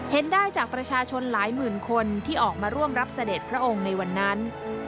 เห็นได้จากประชาชนหลายหมื่นคนที่ออกมาร่วมรับเสด็จพระองค์ในวันนั้น